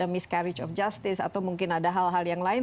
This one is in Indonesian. miskerja kebenaran atau mungkin ada hal hal yang lain